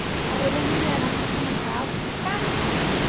aguelosnyan ancha sumaq kawsay kan